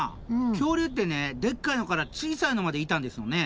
恐竜ってねでっかいのから小さいのまでいたんですよね？